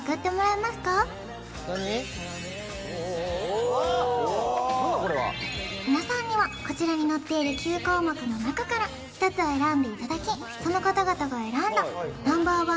・おおわあ何だこれはみなさんにはこちらに載っている９項目の中から１つを選んでいただきその方々が選んだＮｏ．１